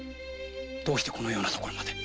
どうしてこのような所まで？